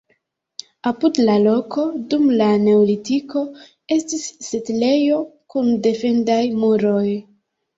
Apud la loko dum la neolitiko estis setlejo kun defendaj muroj.